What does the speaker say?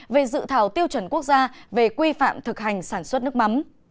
về dự thảo tiêu chuẩn quốc gia về quy phạm thực hành sản xuất nước mắm